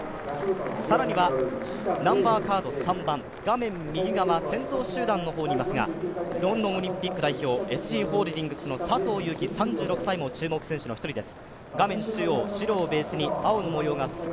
更には、ナンバーカード３番画面右側先頭集団の方にいますが、ロンドンオリンピック代表、ＳＧホールディングスグループの佐藤悠基３６歳も注目選手の１人です